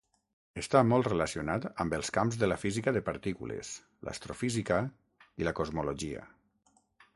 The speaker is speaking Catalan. Està molt relacionat amb els camps de la física de partícules, l'astrofísica i la cosmologia.